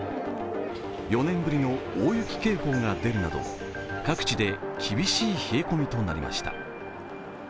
４年ぶりの大雪警報が出るなど各地で厳しい冷え込みとなりました。